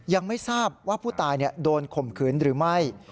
ยังไม่ทราบว่าผู้ตายโดนข่มขืนหรือไม่